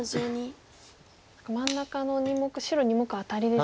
真ん中の２目白２目アタリですね。